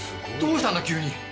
どうしたんだ急に。